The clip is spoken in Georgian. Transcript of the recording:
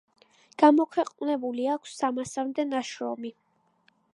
გამოქვეყნებული აქვს სამასამდე ნაშრომი.